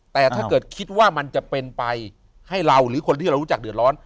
แต่ถ้าเกิดคิดว่ามันจะเป็นไปให้เราหรือคนที่เรารู้จักเดือดร้อน